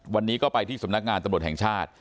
วันนี้ก็ไปที่สำนักงานตำรวจแห่งชาติ